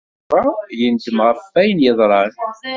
Yuba yendem ɣef wayen yeḍran.